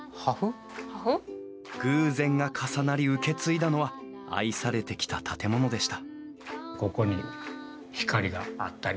偶然が重なり受け継いだのは愛されてきた建物でした。